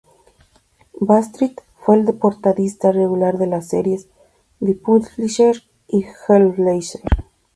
Bradstreet fue el portadista regular de las series T"he Punisher" y "Hellblazer".